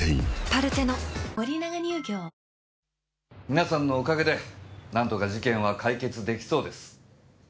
皆さんのお陰で何とか事件は解決できそうです。